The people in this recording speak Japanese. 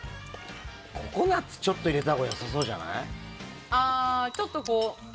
ココナッツちょっと入れたほうがよさそうじゃない？